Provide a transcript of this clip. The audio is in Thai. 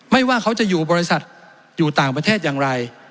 ว่าเขาจะอยู่บริษัทอยู่ต่างประเทศอย่างไร